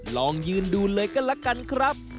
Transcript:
ลองยืนดูเลยก็ละกันครับ